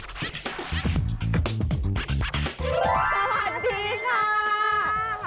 สวัสดีค่ะ